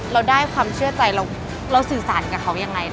เราได้ความเชื่อใจเราสื่อสารกับเขายังไง